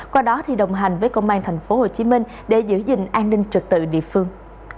qua đó thì đồng hành với công an tp hcm để giữ gìn an ninh trực tự địa phương